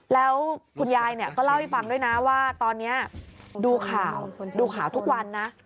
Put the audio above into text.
แล้วคุณยายก็เล่าให้ฟังด้วยนะว่าตอนนี้ดูข่าวดูข่าวทุกวันนะ